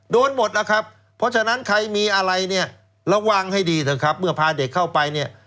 หมดแล้วครับเพราะฉะนั้นใครมีอะไรเนี่ยระวังให้ดีเถอะครับเมื่อพาเด็กเข้าไปเนี่ย